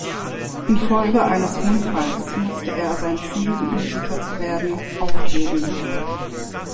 Infolge eines Unfalls musste er sein Ziel, Musiker zu werden, aufgeben.